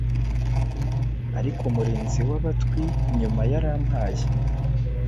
Ariko umurinzi wabatwi nyuma yarampaye